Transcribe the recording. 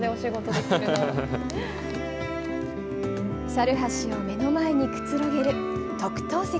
猿橋を目の前にくつろげる特等席。